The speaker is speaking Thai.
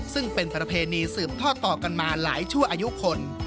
ซึ่งเป็นประเพณีสืบทอดต่อกันมาหลายชั่วอายุคน